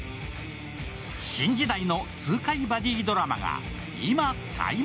新時代の痛快バディドラマが今、開幕。